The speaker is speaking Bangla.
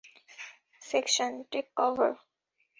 Section, take cover!